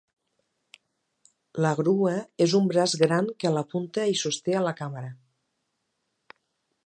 La grua és un braç gran que a la punta hi sosté a la càmera.